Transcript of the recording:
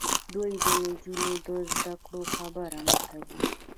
دوی د نجونو د زدهکړو خبره نه کوي.